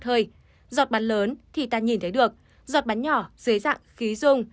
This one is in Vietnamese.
thứ hai giọt bắn lớn thì ta nhìn thấy được giọt bắn nhỏ dưới dạng khí dung